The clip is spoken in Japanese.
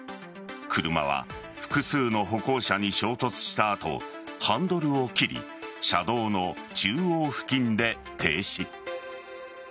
車は複数の歩行者に衝突した後ハンドルを切り車道の中央付近で停止。